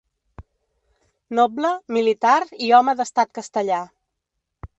Noble, militar i home d'estat castellà.